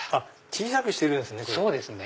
小さくしてるんですね。